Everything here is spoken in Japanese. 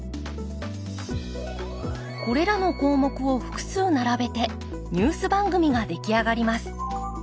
これらの項目を複数並べてニュース番組が出来上がります。